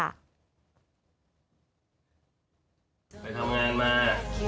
ไปทำงานมา